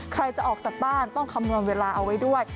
ใครจะออกจากบ้านต้องคำนวณเวลาเอาไว้ด้วย